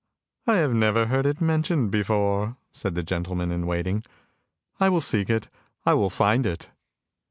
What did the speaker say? "" I have never heard it mentioned before," said the gentleman in waiting. " I will seek it, and I will find it!